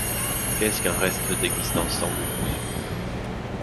Qu’est-ce qu’un reste d’existence sans but ?